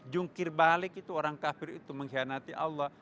jungkir balik itu orang kafir itu mengkhianati allah